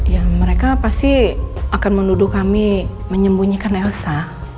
ya mereka pasti akan menuduh kami menyembunyikan elsa